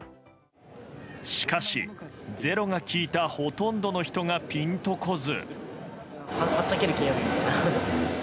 しかし、「ｚｅｒｏ」が聞いたほとんどの人がぴんと来ず。